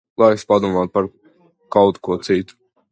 Laiks padomāt par kaut ko citu.